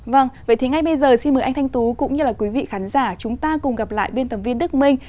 vâng vậy thì ngay bây giờ xin mời anh thanh tú cũng như là quý vị khán giả chúng ta cùng gặp lại biên tập viên đức minh